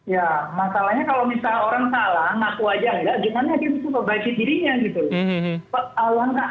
ya masalahnya kalau misalnya orang salah ngaku aja gak gimana kita bisa perbaiki dirinya gitu